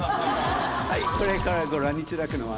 はいこれからご覧いただくのは。